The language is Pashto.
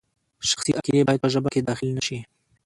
شخصي عقیدې باید په ژبه کې دخیل نشي.